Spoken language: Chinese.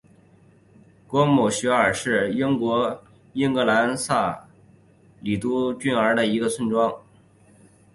果姆雪尔是英国英格兰萨里郡吉尔福德的一个村庄。